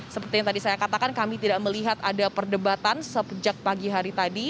seperti yang tadi saya katakan kami tidak melihat ada perdebatan sepejak pagi hari tadi